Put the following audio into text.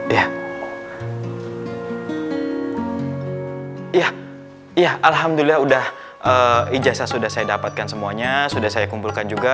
ya alhamdulillah udah ijazah sudah saya dapatkan semuanya sudah saya kumpulkan juga